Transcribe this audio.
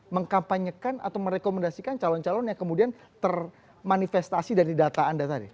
mengkampanyekan atau merekomendasikan calon calon yang kemudian termanifestasi dari data anda tadi